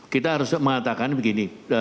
kita harus mengatakan begini